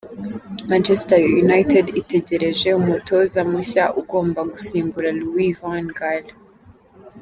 Manchetser United itegereje umutoza mushya ugomba gusimbura Louis Van Gaal.